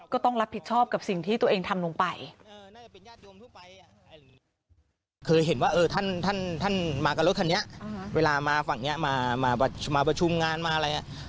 ก็ต้องรับผิดชอบกับสิ่งที่ตัวเองทำลงไป